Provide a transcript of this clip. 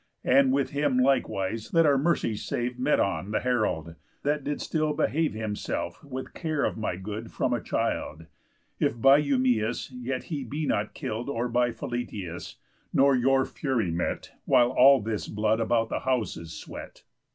And with him likewise let our mercies save Medon the herald, that did still behave Himself with care of my good from a child; If by Eumæus yet he be not kill'd, Or by Philœtius, nor your fury met, While all this blood about the house it swet."